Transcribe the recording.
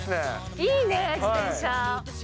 いいね、自転車。